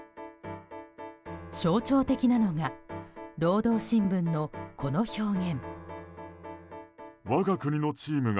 象徴的なのが労働新聞の、この表現。